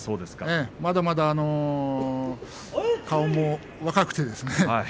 まだまだ顔も若くてですね